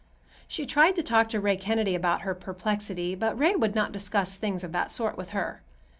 She tried to talk to Ray Kennedy about her perplexity, but Ray would not discuss things of that sort with her.